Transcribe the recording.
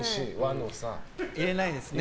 入れないですね。